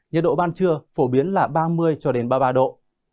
nhiệt độ ban trưa phổ biến là ba mươi ba mươi ba độ